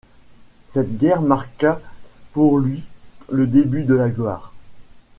Cette guerre marqua pour lui le début de la gloire.